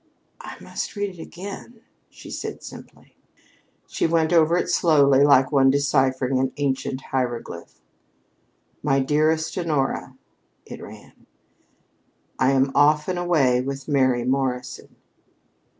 "I must read it again," she said simply. She went over it slowly, like one deciphering an ancient hieroglyph. "My DEAR HONORA: " (it ran.) "I am off and away with Mary Morrison.